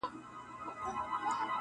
زه لرمه کاسې ډکي د همت او قناعته,